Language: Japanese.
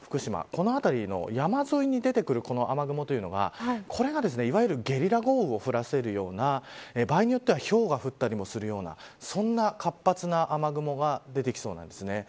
この辺りの山沿いに出てくる雨雲というのがこれが、いわゆるゲリラ豪雨を降らせるような場合によってはひょうが降るような、そんな活発な雨雲が出てきそうです。